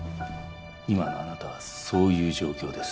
今のあなたはそういう状況です